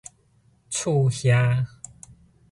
厝瓦